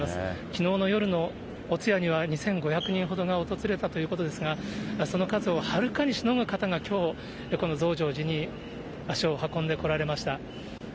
きのうの夜のお通夜には２５００人ほどが訪れたということですが、その数をはるかにしのぐ方がきょう、この増上寺に足を運んでこられました。